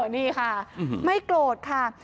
นี่ค่ะไม่โกรธค่ะ